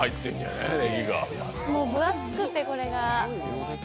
もう分厚くて、これが。